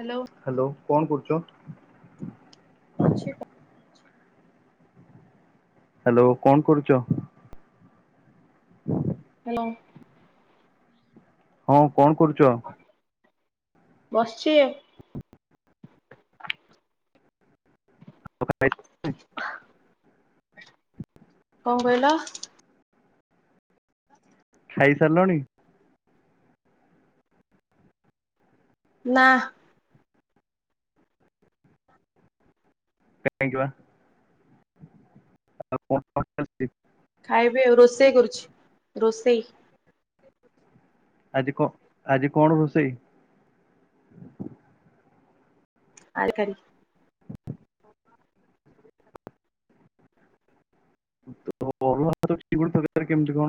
Hello hello କଣ କରୁଛ? ଅଛି ତ ହାଲୋ କଣ କରୁଛ? ହୁଁ। ହଁ କଣ କରୁଛ? ବସିଛି [unintelligible] କଣ କହିଲ? ଖାଇ ସାରିଲଣି? ନା। [unintelligible] ଖାଇବେ ଆଉ ରୋଷେଇ କରୁଛି ରୋଷେଇ ଆଜି କ ଆଜି କଣ ରୋଷେଇ ଆରେ କାଲି କେମିତି କଣ?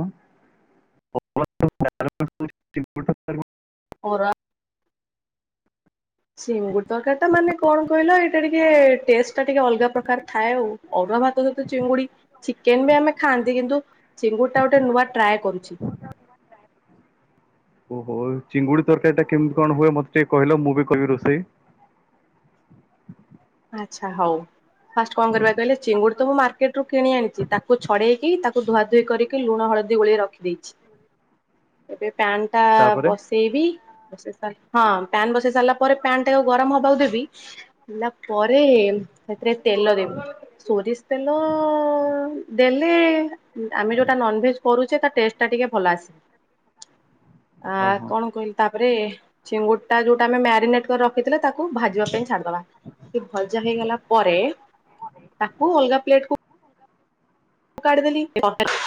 ସିଙ୍ଗୁଡ ତରକାର ଟ ମାନେ କଣ କହିଲ ଏଇଟା ଟିକେ ଟେଷ୍ଟ ଟା ଟିକେ ଅଲଗା ପ୍ରକାର ଥାଏ ଆଉ। ଅରୁଆ ଭାତ ସହିତ ଚିଙ୍ଗୁଡି ଚିକେନ ବି ଆମେ ଖାଆନ୍ତି କିନ୍ତୁ ଚିଙ୍ଗୁଡି ଟା ଗୋଟେ ନୂଆ ଟ୍ରାଏ କରୁଛି। ଓହୋ ଚିଙ୍ଗୁଡି ତରକାରୀ ଟା କେମିତି କଣ ହୁଏ ମତେ ଟିକେ କହିଲ ମୁଁ ବି କହିବି ରୋଷେଇ ଆଛା ହଉ ଫାଷ୍ଟ କଣ କରିବାକୁ କହିଲେ ଚିଙ୍ଗୁଡ ତ ମୁଁ ମାର୍କେଟ କିଣି ଆଣିଛି ତାକୁ ଛଡେଇକି ଧୁଆ ଧୁୋଇ କରିକି ଲୁଣ ହଳଦୀ ଗୋଳେଇ ରଖିଦେଇଛି ଏ ପ୍ୟାଣ୍ ଟା ତାପରେ ବସେଇବି ବସେଇ ସାରିଲ ହଁ ପ୍ୟନ୍ ବସେଇ ସାରିଲା ପରେ ପ୍ୟାନ ଟା ଗରମ ହବାକୁ ଦେବି ପରେ ରେ ତେଲ ଦେବୁ ସୋରିଷ ତେଲ ଦେଲେ ମ ଯଉଟ ନନଭେଜ କରୁଛେ ତା ଟେଷ୍ଟ ଟା ଟିକେ ଭଲ ଆସିବ। ଆ ଓହୋ କଣ କହିଲା? ତାପରେ ସିଙ୍ଗୁଡ ଟା ଯୋଉଟା ଆମେ ମ୍ୟାରିନେଟ କରି ରଖିଥିଲେ ତାକୁ ଭାଜିବା ପାଇଁ ଛାଡିଦବା ସେ ଭଜା ହେଇଗଲା ପରେ ତାକୁ ଅଲଗା ପ୍ଲେଟକୁ କାଢ଼ିଦେଲି [inaudible]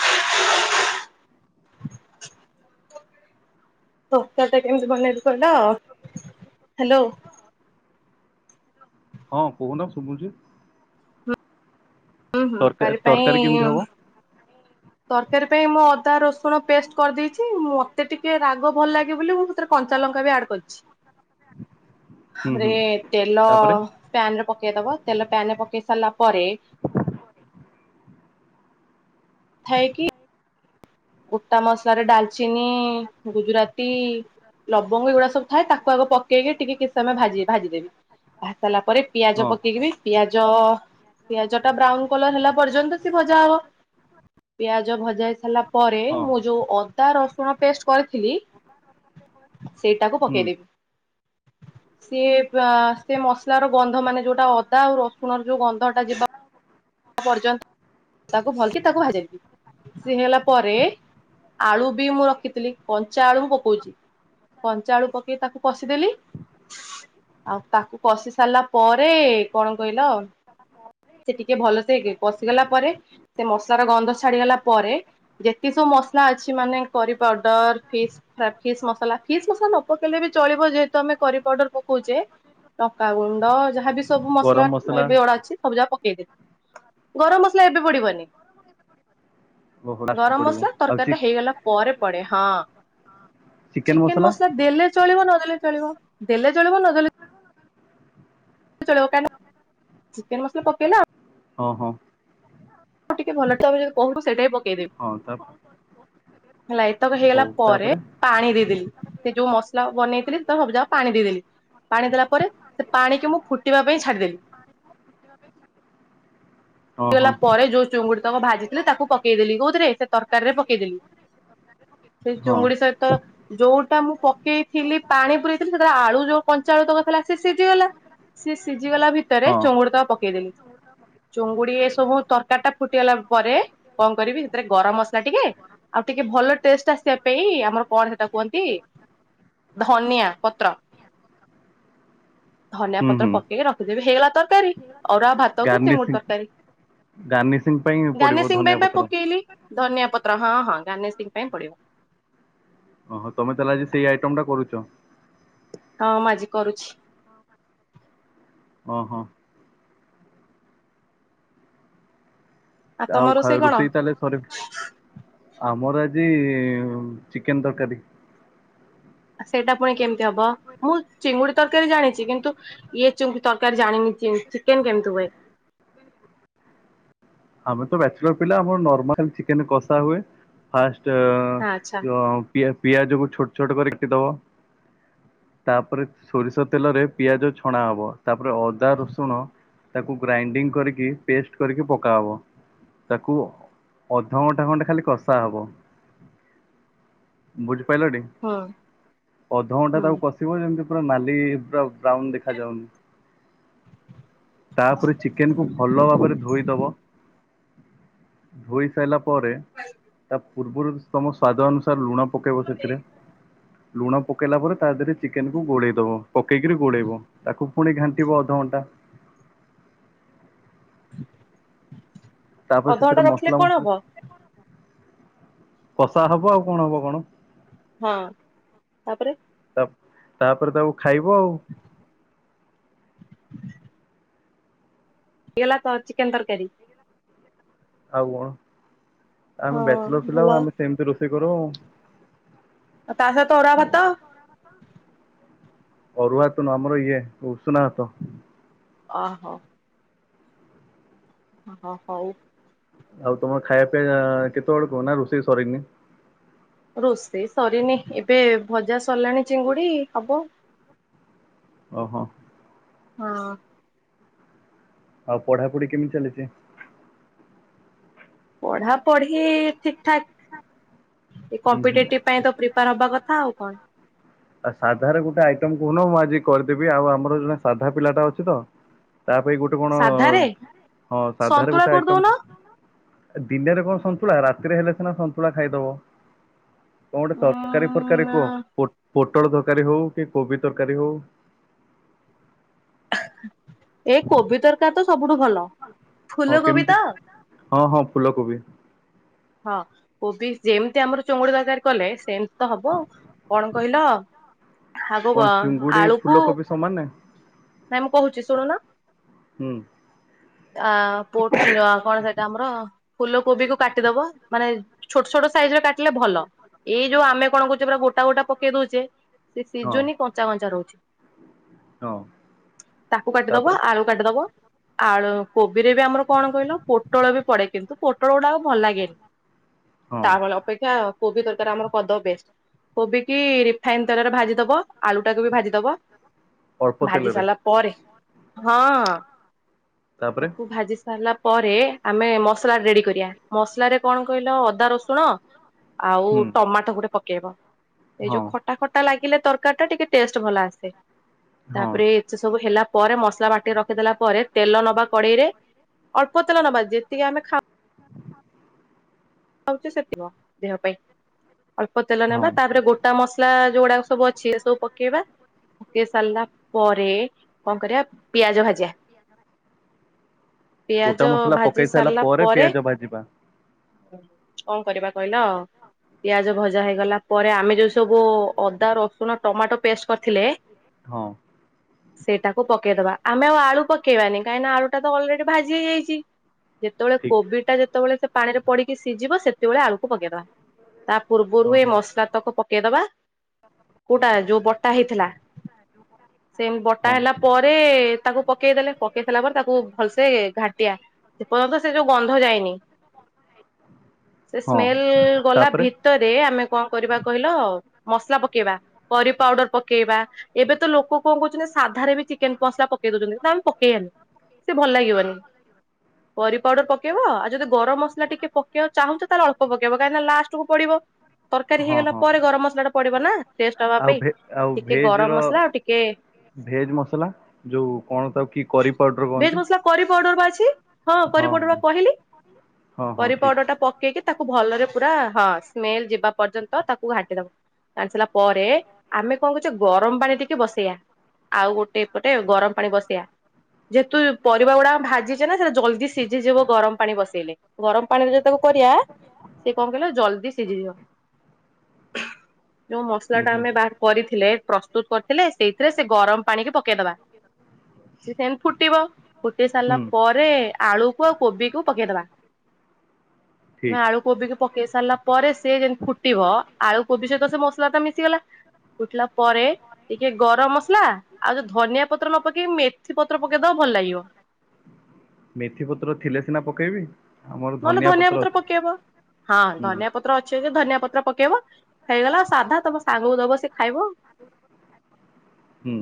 ତରକାରି ଟା କେମତି ବନେଇବି କହିଲ ହାଲୋ ହଁ କହୁନା ଶୁବୁଚି ହୁଁ ହୁଁ ତରକାର ତରକାରୀ କେମିତି ପାଇଁ ହବ ତରକାରୀ ପାଇଁ ମୁଁ ଅଦା ରସୁଣ ପେଷ୍ଟ କରିଦେଇଛି ମୋତେ ଟିକେ ରାଗ ଭଲ ଲାଗେ ବୋଲି ମୁଁ ସେଥିରେ କଞ୍ଚା ଲଙ୍କା ବି ଆଡ଼୍ କରିଛି। ହୁଁ ରେ ହୁଁ ତେଲ ତାପରେ ଫ୍ୟାନ କେଇଦବ ତେଲ ପ୍ୟାନରେ ପକେଇ ସାରିଲା ପରେ ଥାଏ କି? ଗୋଟା ମସଲା ଡାଲ ଚିନି ଗୁଜୁରାତି ଲବଙ୍ଗ ଏଗୁଡା ସବୁ ଥାଏ ତାକୁ ଆଗ ପକେଇକି ଟିକେ କିଛି ସମୟ ଭା ଭା ଦେେବି ଭା ସାରିଲା ପରେ ପିଆଜ ହଁ ପକେଇକ ପିଆ ପିଆଜ ଟା ବ୍ରାଉନ କଲର ହେଲା ପର୍ଯ୍ୟନ୍ତ ସେ ଭଜା ହବ ପିଆଜ ଭଜାଇ ସାରିଲା ପରେ ହଁ ମୁଁ ଯେଉ ଅଦା ରସୁଣ ପେଷ୍ଟ କରିଥିଲି। ସେଇଟାକୁ ହୁଁ ପକେଇଦେବି। ସିଏ ସେ ମସଲାର ଗନ୍ଧ ମାନେ ଯୋଉଟା ଅଦା ଆଉ ରସୁଣ ର ଯୋଉ ଗନ୍ଧଟା ଯିବ। ତାକୁ ଭାଜିଦେବି ସିଏ ହେଲା ପରେ ଆଳୁ ବି ମୁଁ ରଖିଥିଲି କଞ୍ଚା ଆଳୁ ମୁଁ ପକଉଚି। କଞ୍ଚା ଆଳୁ ପକେଇ ତାକୁ କଷିଦେଲି ପରେଏଏ କଣ କହିଲ ସେଠି। ଟିକେ ଭଲସେ କଷିଗଲା ପରେ ସେ ମସଲାର ଗନ୍ଧ ଛାଡିଗଲା ପରେ ଯେତେ ସବୁ ମସଲା ଅଛି ମାନେ କରି ପାଉଡର, ଫିସ୍ ଫ୍ରା ଫିସ୍ ମସଲା ଫିସ୍ ମସଲା ନ ପକେଇଲେ ବି ଚଳିବ ଯେହେତୁ ଆମେ କରି ପାଉଡର ପକଉଛେ ଲଙ୍କାଗୁଣ୍ଡ ଯାହାବି ସ ସବୁ ମସଲା ଏବେ ଅଡା ଅଛି ସବୁଯାକ ଏ [inaudible] ଗରମ ମସଲା ଏବେ ପଡିବନି। ଓହୋ ଲାଷ୍ଟକୁ ଗରମ ପଡିବ ମସଲା ଆଉ ତରକାରୀ ଟା ହେଇଗଲା ପରେ ପଡେ ହଁ। ଚିକେନ ମସଲା ଦେଲେ ଚଳିବ ନ ଲେ ଚଳିବ ଦେଲେ ଚଳିବ ନ ଦେେଲେ [inaudible] ଚିକେନ ମସଲା ପକେଇଲ ଆଉ ହଁ ହଁ, ଟିକେ ଭଲ ତମେ ଯଦି କହୁଚ ସେଇଟାବି ପ ହଁ ତା ହେଲା ଏତକ ହଉ ହେଇଗଲା ପରେ ତାପରେ ପାଣି ଦେଇଦେଲି। ସେ ଯୋଉ ମସଲା ବନେଇଥିଲି ତ ସବୁ ଜାକ ପାଣି ଦେଇଦେଲି ପାଣି ଦେଲା ପରେ ସେ ପାଣି କି ମୁଁ ଫୁଟିବା ପାଇଁ ଛାଡିଦେଲି ହଁ ଫୁଟି ଗଲା ହଁ ପରେ ଯୋଉ ଚୁଙ୍ଗୁଡି ଭାଜିଥିଲେ ତାକୁ ପକେଇଦେଲି କୋଉଥିରେ ସେ ତରକାରୀ ରେ ପକେଇଦେଲି। ସେ ହଁ ଚୁଙ୍ଗୁଡି ସହିତ, ଯୋଉଟା ମୁଁ ପକେଇଥିଲି ପାଣି ପୁରେଇଥିଲି ସେଟା ଆଳୁ ଯୋଉ କଞ୍ଚା ଆଳୁ ତକ ଥିଲା ସେ ସିଝିଗଲା ସିଏ ସିଝିଗଲା ଭିତରେ ହଁ। ଚୁଙ୍ଗୁଡି ତ ପକେଇଦେଲି ଚୁଙ୍ଗୁ ଟିକ ସବୁ ତରକାରୀ ଟା ଫୁଟିଗଲା ପରେ କଣ କରିବି ସେଥିରେ ଗରମ ମସଲା ଟିକେ ଆଉ ଟିକେ ଭଲ ଟେଷ୍ଟ ଆସିବା ପାଇଁ ଆମର କଣ ସେଟା କୁହନ୍ତି ଧନିଆ ପତ୍ର ଧନିଆ ହୁଁ ପତ୍ର ହୁଁ। ପକେଇକି ରଖି ଇଏ ବି ହେଇଗଲା ତରକାରୀ। ଅରୁଆ ଭାତକୁ ଗାର୍ନିସିଂ ଚିଙ୍ଗୁଡ଼ି ତରକାରୀ। ଗାର୍ନିସିଂ ପାଇଁ ପଡିବ ଗାର୍ନିସିଂ ପାଇଁ ଧନିଆ ବା ପତ୍ର। ପକେଇଲି ଧନିଆ ପତ୍ର ହଁ ହଁ ଗାନିସିଂ ଶିଖିବା ପାଇଁ ପଡିବ। ଓହୋ ତମେ ତାହଲେ ଆଜି ସେଇ ଆଇଟମ ଟା କରୁଛ? ହଁ ମୁଁ ଆଜି କରୁଛି। ହଁ ହଁ ଆଉ ଖାଇବା ରୋଷେଇ ତାହଲେ ଥରେ ଆମର ଆଜି ଚିକେନ ତରକାରୀ। ସେଇଟା ପୁଣି କେମିତି ହବ ମୁଁ ଚିଙ୍ଗୁଡି ତରକାରୀ ଜାଣିଛି କିନ୍ତୁ ଇଏ ଚିଙ୍ଗୁ ତରକାରୀ ଜାଣିନି ଚିକେନ କେମିତି ହୁଏ। ଆମେ ତ ବ୍ୟାଚଲର ପିଲା ଆମର ନର୍ମାଲ ଚିକେନ କଷା ହୁଏ ଫାଷ୍ଟ ଆଚ୍ଛା ତଉ ପି ଏଫ୍ ପିଆଜକୁ ଛୋଟ ଛୋଟ କରିକିକାଟି ଦବ ତାପରେ ସୋରିଷ ତେଲରେ ପିଆଜ ଛଣା ହବ ତାପରେ ଅଦା ରସୁଣ ତାକୁ ଗ୍ରାଇଣ୍ଡିଙ୍ଗ କରିକି ପେଷ୍ଟ କରିକି ପ ହବ ତାକୁ ଅଧଘଣ୍ଟା ଘଣ୍ଟେ ଖାଲି କଷା ହବ ବୁଝ ଜାଇଲଟି ହୁଁ ଅଧଘଣ୍ଟା ହୁଁ। ତାକୁ କଶିବ ଯେମିତି ପୁରା ମା [inaudible] ପୁରା ବ୍ରାଉନ ଦେଖାଯାଉନି ତାପରେ ଚିକେନ କୁ ଭଲ ଭାବରେ ଧୋଇଦବ ଧୋଇ ସାଇଲାା ପରେ ତା ପୂର୍ବରୁ, ତମ ସ୍ୱାଦ ଅନୁସାରେ ଲୁଣ, ପକେଇବ ସେଥିରେ ଲୁଣ ପକେଇଲା ପରେ ତା ଦେହରେ ଚିକେନକୁ ଗୋଳେଇ ଦବ ପକେଇକିରି ଗୋଳେଇବ ତାକୁ ପୁଣି ଘାଣ୍ଟିବ ଅଧଘଣ୍ଟା। ତାପରେ ସେଥିରେ ଅଧଘଣ୍ଟା ରଖିଲେ ମସଲା କଣ ମସଲି ହବ? କଷା ହବ ଆଉ କଣ ହବ କଣ? ହଁ ତାପରେ। ତା ତାପରେ ତାକୁ ଖାଇବ ଆଉ। [unintelligible] ଲା ତ ଚିକେନ ତରକାରୀ। ଆଉ କଣ? ହଁ ଆମେ ବ୍ୟାଚଲର ପିଲା ଭଲ ଆଉ ଆମେ ସେମିତି ରୋଷ୍ [unintelligible] କରୁ। ଆଉ ତା ସହିତ ଅରୁଆ ଭାତ। ଅରୁଆ ତ ନୁହଁ ଆମର ଇଏ ଉଷୁନା ଭାତ। ଓହୋଃ। ହଁ ହଁ ହଉ। ଆଉ ତମର ଖାଇବା ପିଇବା କେତେବେଳକୁ ନା ରୋଷେଇ ସରିନି? ରୋଷେଇ ସରିନି ଏବେ ଭଜା ସରିଲାଣି ଚିଙ୍ଗୁଡି, ହବ। ଓହୋଃ। ହଁ ଆଉ ପଢାପଢି କେମିତି ଚାଲିଛି? ପଢା ପଢି ଠିକଠାକ୍। ଏ ଉଁ ହୁଁ। କମ୍ପିଟେଟିଭ୍ ପାଇଁ ତ ପ୍ରିପେୟାର୍ ହବା କଥା ଆଉ କଣ। ଆଉ ସାଧାରେ ଗୋଟେ ଆଇଟମ୍ କହୁନ ମୁଁ ଆଜି କରିଦେବି ଆଉ ଆମର ଜଣେ ସାଧା ପିଲାଟା ଅଛି ତ। ତା ପାଇଁ ଗୋଟେ କଣ, ସାଧାରେ ହଁ ସାଧାରେ ସନ୍ତୁଳା ଗୋଟେ ଆଇଟମ୍। କରିଦଉନ ଦିନରେ କଣ ସନ୍ତୁଳା, ରାତିରେ ହେଲେ ସିନା ସନ୍ତୁଳା ଖାଇଦବ। କଣ ଗୋଟେ ତରକାରୀଫରକାରୀ କୁହ। ଉଁ ପୋଟଳ ତରକାରୀ ହଉ କି କୋବି ତରକାରୀ ହଉ। ଏ କୋବି ତରକାରୀ ତ ସବୁଠୁ ଭଲ, ହଁ ଫୁଲକୋବି କେମିତି ତ? ହଁ ହଁ ଫୁଲକୋବି ହଁ କୋବି, ଯେମିତି ଆମର ଚୁଙ୍ଗୁଡି ତରକାରୀ କଲେ ସେମ୍ ତ ହବ, କଣ କହିଲ ଆଗ କଣ ଚୁଙ୍ଗୁଡି ଆଳୁକୁ ଫୁଲକୋବି ସମାନ ନା? ନାଇଁ ମୁଁ କହୁଛି ଶୁଣୁନ। ହୁଁ ଆ ପୋ କଣ ସେଇଟା ଆମର? ଫୁଲ କୋବି କୁ କାଟିଦବ ମାନେ ଛୋଟ ଛୋଟ ସାଇଜ ରେ କାଟିଲେ ଭଲ ଏଇ ଯୋଉ ଆମେ କଣ କହୁଛେ ପୁରା ଗୋଟା ଗୋଟା ପକେଇ ଦଉଛେ। ସେ ହଁ ସିଜୁନି କଞ୍ଚା କଞ୍ଚା ରହୁଛି। ହଁ ତାକୁ କାଟିଦବା ତାପରେ ଆଳୁ କାଟିଦବ ଆଉ କୋବିରେ ବି ଆମର କଣ କହିଲ ପୋଟଳ ବି ପଡେ କିନ୍ତୁ ପୋଟଳ ଗୁଡାକ ଭଲ ଲାଗେନି। ହଁ ତାମଳ ଅପେକ୍ଷା କୋବି ତରକାରୀ ଆମର କଦ ବେଷ୍ଟ କୋବି କି ରିଫାଇନ ତେଲରେ ଭାଜି ଦବ ଆଳୁ ଟାକୁ ବି ଭାଜି ଦବ ଅଳ୍ପ ଭାଜି ତେଲରେ ସାରିଲା ପରେ ହଁ। ତାପରେ ତାକୁ ଭାଜି ସାରିଲ ପରେ ଆମେ ମସଲା ରେଡି କରିବା ମସଲାରେରେ କଣ କହିଲ ଅଦା ରସୁଣ ଆଉ ହୁଁ ଟମାଟୋ ଗୋଟେ ପକେଇବ ଏଇ ହଁ ଯୋଉ ଖଟା ଖଟା ଲାଗ ତରକାରୀ ଟା ଟିକେ ଟେଷ୍ଟ ଭଲ ଆସେ ହଁ ତାପରେ ଏତେ ସବୁ ହେଲା। ପରେ ମସଲା ବାଟି ରଖିଦେଲା ପରେ ତେଲ ନବା କଡେଇରେ ଅଳ୍ପ ତେଲ ନବା ଯେତିକି ଆମେ ଖାଉ ହଉଚ ସେଠିବ ଦେହ ପାଇଁ ଅଳ୍ପ ତେଲ ହଁ ନେବା ତାପରେ ଗୋଟା ମସଲା ଯୋଉଗୁଡାକ ସବୁ ଅଛି ଏ ସବୁ ପକେଇବା ପକେଇ ସାରିଲା ପରେ କଣ କରିବା ପିଆଜ ଭାଜିବା ଗୋଟା ମସଲା ପକେଇ ସାରିଲା ପରେ ପିଆଜ ଭାଜିବା କଣ କରିବା କହିଲ ପିଆଜ ଭଜା ହେଇଗଲା ପରେ ଆମେ ଯୋଉ ସବୁ ଅଦା ରସୁଣ ଟମାଟୋ ପେଷ୍ଟ କରିଥିଲେ। ହଁ। ସେଇଟାକୁ ପକେଇଦବା ଆମେ ଆଉ ଆଳୁ ପକେଇବାନି କାହିଁକ ନା ଆଳୁଟା ତ ଅଲରେଡି ଭାଜି ହେଇଯାଇଛି। ଯେତେବେଳେ ଠିକ କୋଭିଡ ଟା ଯେତେବେଳେ ସେ ପାଣିରେ ପଡିି ସିଝିବ ସେତେବେଳେ ଆଳୁକୁ ପକେଇବା ତା ପୂର୍ବରୁ ଏ ଓହୋ ମସଲା ତକୁ ପକେଇଦବା କୋଉଟା ଯୋଉ ବଟା ହେଇଥିଲା ସେ ବଟା ହଁ ହେଲା ପରେ ତାକୁ ପକେଇଦେଲେ ପକେଇ ଲା ପରେ ତାକୁ ଭଲସେ ଘାଟିଆ ସେ ପର୍ଯ୍ୟନ୍ତ ସେ ଯୋଉ ଗନ୍ଧ ଯାଇନି ସେ ହଁ ସ୍ମେଲ ଗଲା ତାପରେ ଭିତରେ ଆମେ କଣ କରିବା କହିଲ ମସଲା ପକେଇବା କରି ପାଉଡର ପକେଇବା ଏବେ ତ ଲୋକ କଣ କହୁଛନ୍ତି ସାଧାରେ ବି ଚିକେନ ମସଲା ପକେଇ ଦଉଛନ୍ତି ତାମେ ପକେଇବାନି ସେ ଭଲ ଲାଗିବନି କରି ପାଉଡର ପକେଇବ ଆଉ ଯଦି ଗରମ ମସଲା ଟିକେ ପକେଇବା ଚାହୁଁଛ ତାହେଲେ ଅଳ୍ ପକେଇବ କାହିଁକି ନା ଲାଷ୍ଟ କୁ ପଡିବ ତରକାରୀ ହଁ ହେଇଗଲା ହଁ ପରେ ଗରମ ମସଲା ଟା ପଡ଼ିବ ନା ଟେଷ୍ଟ ହବା ପାଇଁ। ଆଉ ଆଉ ଟିକେ ଭେଜ ଗରମ ର ମସଲା ଆଉ ଟିକେ ଭେଜ ମସଲା ଯୋଉ କଣ ତା କି କରି ପାଉଡର ଭେଜ କୁହନ୍ତି। ମସଲା କରି [inaudible] ହଁ କରି ପାଉଡର ବା କହିଲି। ହଁ ହଁ କରି ଠିକ ପାଉଡରଟା ପକେଇକି ତାକୁ ଭଲରେ ପୁରା ହଁ ସ୍ମେଲ ଯିବା ପର୍ଯ୍ୟନ୍ତ ତାକୁ ଘାଣ୍ଟି ଦବ ଘାଣ୍ଟି ସାରିଲା ପରେ ଆମେ କଣ କରୁଛେ ଗରମ ପାଣି ଟକି ବସେଇବା ଆଉ ଗୋଟେ ପଟେ ଗରମ ପାଣି ବସେଇବା ଯେହେତୁ ପରିବା ଗୁଡାକ ଭାଜିଛେ ନା ସେଇଟା ଜଲଦି ସିଝିଯିବ ଗରମ ପାଣି ବସେଇଲେ। ପାଣିରେ ଯେ ତାକୁ କରିବା ଯୋଉ ମସଲା ହୁଁ ଟା ହୁଁ ଆମେ ବାହାର କରିଥିଲେ ପ୍ରସ୍ତୁତ କରିଥିଲେ ସେଇଥିରେ ସେ ଗରମ ପାଣିିକ ପକେଇଦବା ସେ ସେମିତି ଫୁଟିବ ଫୁଟେଇ ସାରିଲା ହୁଁ ପରେ ଆଳୁକୁ ଆଉ କୋବିକୁ ପକେଇଦବା। ମେ ଠିକ୍ ଆଳୁ କୋବିକୁ ପକେଇ ସାରିଲା ପରେ ହେଲା ଆଉ ଯୋଉ ଧନିଆ ପତ୍ର ନପକେଇ ମେଥି ପତ୍ର ଥିଲେ ସିନା ପକେଇବି ନହେଲେ ଧନିଆ ପତ୍ର ପକେଇବ ହଁ ହୁଁ ଧନିଆ ପତ୍ର ଅଛ ଯେ ଧନିଆ ପତ୍ର ପକେଇବ। ହେଇଗଲା ଆଉ ସାଧା ତମ ସାଙ୍ଗକୁ ଦବ ସେ ଖାଇବ। ହୁଁ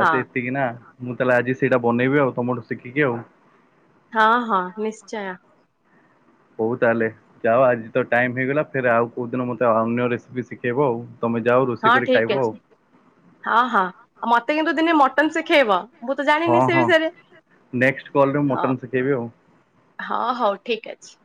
ହଁ ଏତିକି ନା? ମୁଁ ତାହେଲେ ଆଜି ସେଇଟା ବନେଇବି ଆଉ ତମଠୁ ଶିଖିକି ଆଉ ହଁ ହଁ ନିଶ୍ଚୟ ହଉ ତାହେଲେ ଯାଅ ଆଜି ତ ଟାଇମ ହେଇଗଲା ଫ ଆଉ କୋଉ ଦିନ ମତେ ଅନ୍ୟ ରେସିପି ଶିଖେଇବ ଆଉ ତମେ ଯାଅ ହଁ ରୋଷେଇ କରି ଖାଇବ ଠିକ ଆଉ ଅଛି ହଁ ହଁ ଆଉ ମତେ କିନ୍ତୁ ଦିନେ ମଟନ ଶିଖେଇବ। ମୁଁ ତ ହଁ ଜାଣିନି ସେ ହଁ ବିଷୟରେ ନେଷ୍ଟ କଲରେ ହଁ ମଟନ ଶଖେଇବି ଆଉ ହଁ ହଉ ଠିକ ଅଛି।